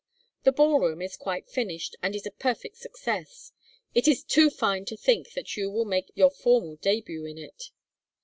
The ballroom is quite finished and is a perfect success. It is too fine to think that you will make your formal début in it.